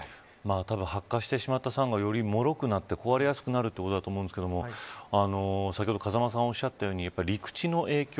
たぶん白化してしまったサンゴは、よりもろくなって壊れやすくなるということだと思うんですが先ほど、風間さんがおっしゃったように陸地の影響